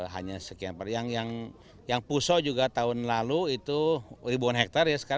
hanya sekian per yang puso juga tahun lalu itu ribuan hektare